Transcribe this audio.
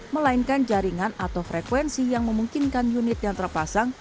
melainkan jaringan atau frekuensi yang memungkinkan unit yang terpasang